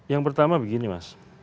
yang pertama begini mas